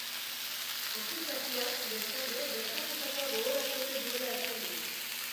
Akusatuak, bestalde, gertatutakoa gogoratzen ez duela esan du.